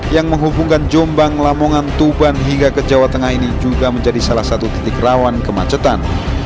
yang menghubungkan jombang lamongan tuban hingga ke jawa tengah ini juga menjadi salah satu titik rawan kemacetan